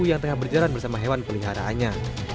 yang tengah berjalan bersama hewan peliharaannya